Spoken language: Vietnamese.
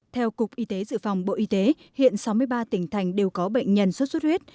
theo cục y tế dự phòng bộ y tế hiện sáu mươi ba tỉnh thành đều có bệnh nhân xuất xuất huyết